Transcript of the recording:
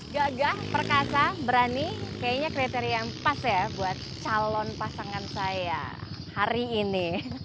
gagah perkasa berani kayaknya kriteria yang pas ya buat calon pasangan saya hari ini